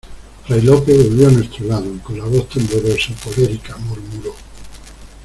fray Lope volvió a nuestro lado, y con la voz temblorosa y colérica murmuró: